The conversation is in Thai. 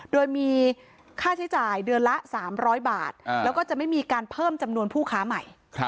โดยมีค่าใช้จ่ายเดือนละ๓๐๐บาทแล้วก็จะไม่มีการเพิ่มจำนวนผู้ค้าใหม่